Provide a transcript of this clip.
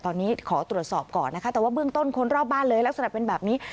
ตอนนี้ขอตรวจสอบก่อนนะคะแต่ว่าเบื้องต้นคนรอบบ้านเลยลักษณะเป็นแบบนี้